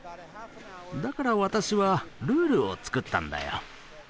だから私はルールを作ったんだよ。